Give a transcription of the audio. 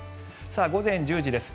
午前１０時です。